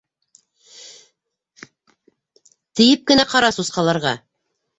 Тейеп кенә ҡара сусҡаларға!